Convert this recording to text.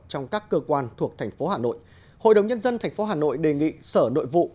trong các cơ quan thuộc thành phố hà nội hội đồng nhân dân tp hà nội đề nghị sở nội vụ